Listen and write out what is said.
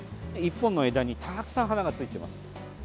１本の枝にたくさん花がついています。